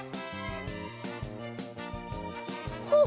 ほっ！